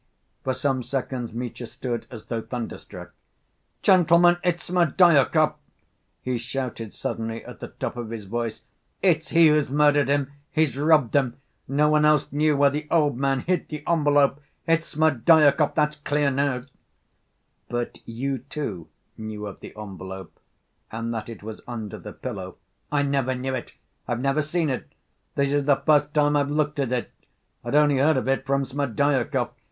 For some seconds Mitya stood as though thunderstruck. "Gentlemen, it's Smerdyakov!" he shouted suddenly, at the top of his voice. "It's he who's murdered him! He's robbed him! No one else knew where the old man hid the envelope. It's Smerdyakov, that's clear, now!" "But you, too, knew of the envelope and that it was under the pillow." "I never knew it. I've never seen it. This is the first time I've looked at it. I'd only heard of it from Smerdyakov....